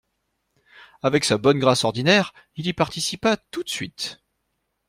Avec sa bonne grâce ordinaire, il y participa tout de suite.